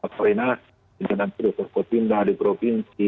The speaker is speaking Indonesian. perenas perusahaan perusahaan pemerintah di provinsi